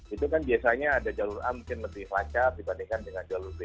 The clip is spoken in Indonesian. itu kan biasanya ada jalur a mungkin lebih lancar dibandingkan dengan jalur b